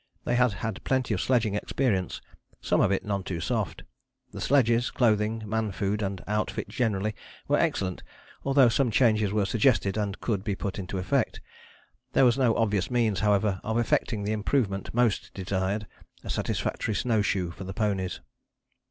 They had had plenty of sledging experience, some of it none too soft. The sledges, clothing, man food, and outfit generally were excellent, although some changes were suggested and could be put into effect. There was no obvious means, however, of effecting the improvement most desired, a satisfactory snow shoe for the ponies.